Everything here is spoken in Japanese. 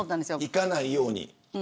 いかないように。